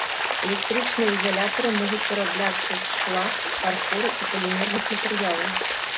Электрычныя ізалятары могуць вырабляцца з шкла, фарфору і палімерных матэрыялаў.